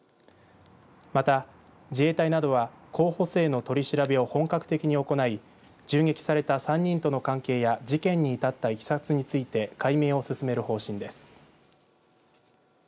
また、自衛隊などは候補生の取り調べを本格的に行い銃撃された３人との関係や事件に至ったいきさつについて解明を進める方針です。